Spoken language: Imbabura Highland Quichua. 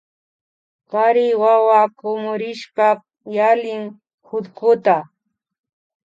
Kari wawa kumurishpa yalin hutkuta